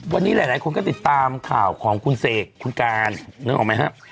วันนี้หลายคนก็ติดตามข่าวของคุณเสกคุณการนึกออกไหมครับ